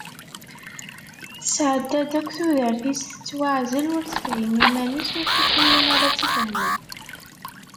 Tesεedda-d akk tudert-is tettwaεzel, ur tefhim iman-is, ur tufi win ara tt-ifehmen.